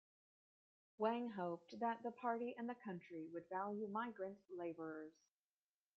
Wang hoped that the party and the country would value migrant laborers.